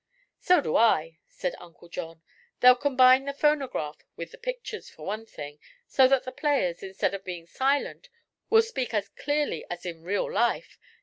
"So do I," said Uncle John. "They'll combine the phonograph with the pictures, for one thing, so that the players, instead of being silent, will speak as clearly as in real life.